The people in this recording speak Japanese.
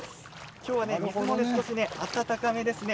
今日は水も少し温かめですね。